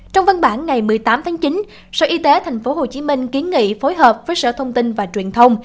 trong văn bản ngày một mươi tám tháng chín sở y tế tp hcm kiến nghị phối hợp với sở thông tin và truyền thông